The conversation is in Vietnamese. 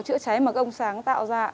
chữa cháy mà ông sáng tạo ra